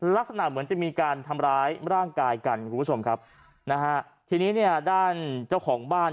ลักษณะเหมือนจะมีการทำร้ายร่างกายกันคุณผู้ชมครับนะฮะทีนี้เนี่ยด้านเจ้าของบ้าน